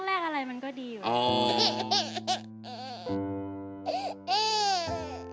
แรกอะไรมันก็ดี